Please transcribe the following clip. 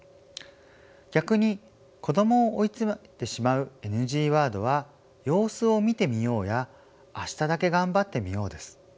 逆に子どもを追い詰めてしまうＮＧワードは「様子を見てみよう」や「明日だけ頑張ってみよう」です。